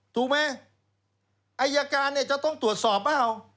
ถูกไหมอายการจะต้องตรวจสอบหรือเปล่า